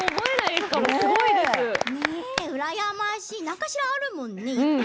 何かしらあるもんね。